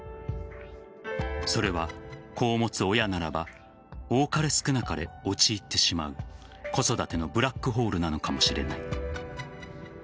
それは子を持つ親ならば多かれ少なかれ陥ってしまう子育てのブラックホールなのかもしれない。